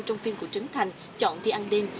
trong phim của trấn thành chọn đi ăn đêm